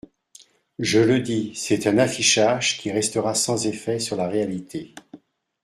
Je le dis : c’est un affichage qui restera sans effet sur la réalité.